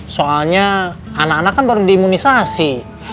soalnya anak anak kan baru di imunisasi